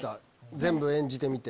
全部演じてみて。